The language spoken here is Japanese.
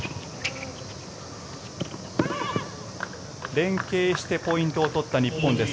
連携してポイントを取った日本です。